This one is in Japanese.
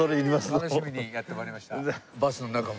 楽しみにやって参りました。